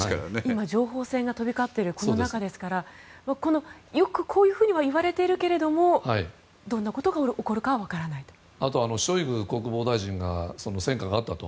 今、情報戦が飛び交っている中ですからよくこういうふうには言われてはいるけどどんなことが起こるかはショイグ国防大臣が戦果があったと。